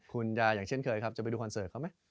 คุณยายอย่างเช่นเคยครับจะไปดูคอนเสิร์ตเขาไหม